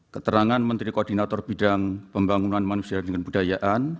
keterangan menteri koordinator bidang pembangunan manusia dan budayaan